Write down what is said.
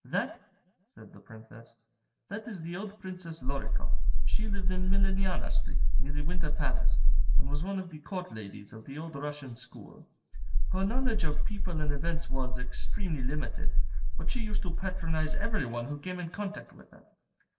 "That?" said the Princess; "that is the old Princess Lorikoff. She lived in Millionaya Street, near the Winter Palace, and was one of the Court ladies of the old Russian school. Her knowledge of people and events was extremely limited; but she used to patronise every one who came in contact with her.